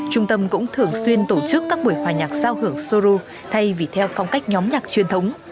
trung tâm cũng thường xuyên tổ chức các buổi hòa nhạc giao hưởng sorou thay vì theo phong cách nhóm nhạc truyền thống